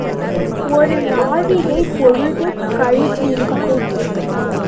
ஒரு நாழிகைப் பொழுது கழித்திருக்கும்.